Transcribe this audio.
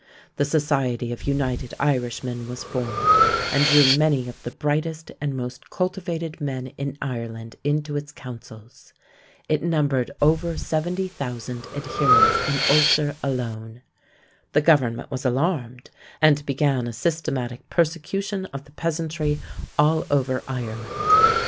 The Society of United Irishmen was formed, and drew many of the brightest and most cultivated men in Ireland into its councils. It numbered over 70,000 adherents in Ulster alone. The government was alarmed, and began a systematic persecution of the peasantry all over Ireland.